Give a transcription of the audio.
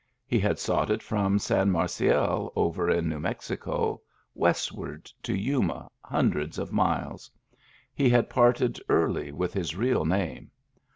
He had sought it from San Marcial, over in New Mexico, westward to Yuma, hundreds of miles. He had parted early with his real name.